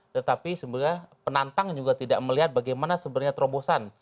tetapi sebenarnya penantang juga tidak melihat bagaimana sebenarnya terobosan